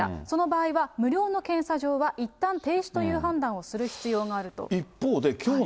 その場合は、無料の検査場はいったん停止という判断をする必要があると。